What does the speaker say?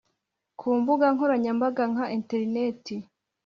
Kumbuga nkoranyambaga nka interineti